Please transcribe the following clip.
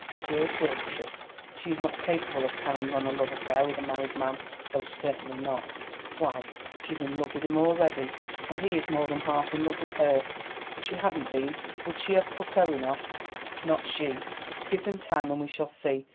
Dear Beatrice, she is not capable of carrying on a love affair with a married man—oh, certainly not! Why, she's in love with him already, and he is more than half in love with her. If she hadn't been, would she have put Owen off? Not she. Give them time, and we shall see.